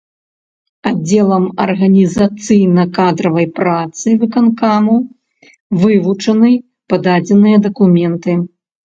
Аддзелам арганізацыйна-кадравай працы выканкаму вывучаны пададзеныя дакументы.